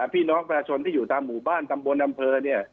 พี่น้องประชาชนที่อยู่ตามหมู่บ้านตำบลอำเภอเนี่ย